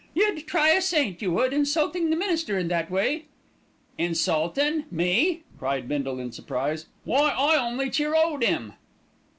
"You'd try a saint, you would, insulting the minister in that way." "Insultin'! Me!" cried Bindle in surprise. "Why, I only cheer o'd 'im."